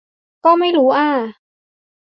ก็ไม่รู้อ่า